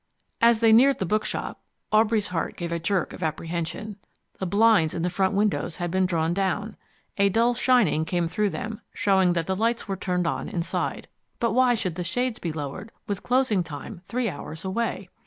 As they neared the bookshop, Aubrey's heart gave a jerk of apprehension. The blinds in the front windows had been drawn down. A dull shining came through them, showing that the lights were turned on inside. But why should the shades be lowered with closing time three hours away?